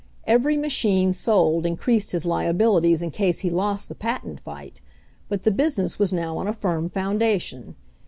Every machine sold increased his liabilities in case he lost the patent fight, but the business was now on a firm foundation.